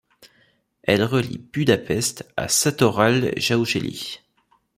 Elle relie Budapest à Sátoraljaújhely.